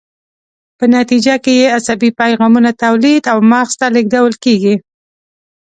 په نتیجه کې یې عصبي پیغامونه تولید او مغز ته لیږدول کیږي.